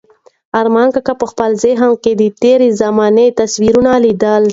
ارمان کاکا په خپل ذهن کې د تېرې زمانې تصویرونه لیدل.